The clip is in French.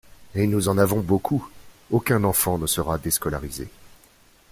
Et nous en avons beaucoup ! Aucun enfant ne sera déscolarisé.